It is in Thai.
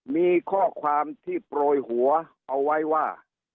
มีข้อความที่โปรยหัวเอาไว้ว่า